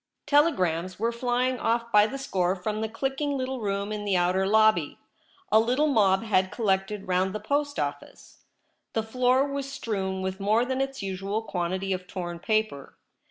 Telegrams were flying off by the score from the clicking little room in the outer IN THE LOBBY. lobby. A little mob had collected round the post office. The floor was strewn with more than its usual quantity of torn paper.